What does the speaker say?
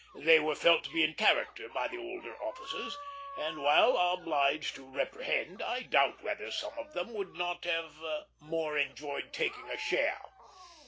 They were felt to be in character by the older officers; and, while obliged to reprehend, I doubt whether some of them would not have more enjoyed taking a share.